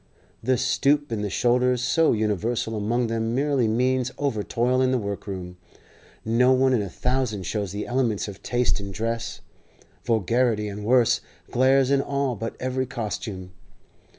The stoop in the shoulders so universal among them merely means over toil in the workroom. Not one in a thousand shows the elements of taste in dress; vulgarity and worse glares in all but every costume.